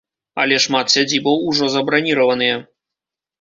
Але шмат сядзібаў ужо забраніраваныя.